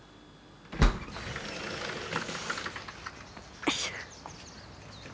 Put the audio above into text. よいしょ。